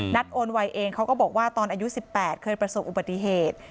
โอนไวเองเขาก็บอกว่าตอนอายุ๑๘เคยประสบอุบัติเหตุ